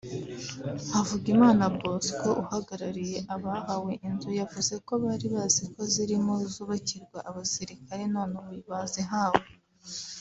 Havugimana Bosco uhagarariye abahawe inzu yavuze ko bari bazi ko zirimo zubakirwa abasirikare none ubu bazihawe